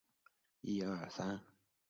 小百日草为菊科百日草属下的一个种。